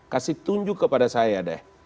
kasih tunjuk kepada saya deh